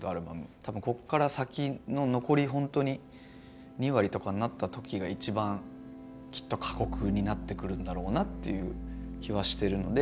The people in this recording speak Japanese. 多分こっから先の残りほんとに２割とかになった時が一番きっと過酷になってくるんだろうなっていう気はしてるので。